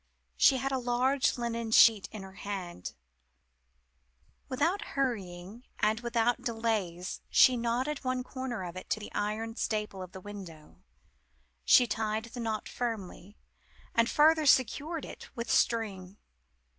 She had a large linen sheet in her hands. Without hurry and without delayings she knotted one corner of it to the iron staple of the window. She tied the knot firmly, and further secured it with string.